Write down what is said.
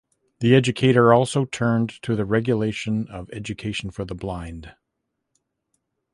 The educator also turned to the regulation of education for the blind.